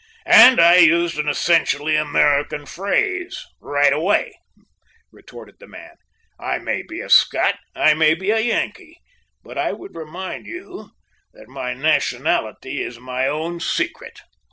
'" "And I used an essentially American phrase 'right away,'" retorted the man. "I may be a Scot, I may be a Yankee, but I would remind you that my nationality is my own secret."